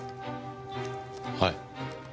はい。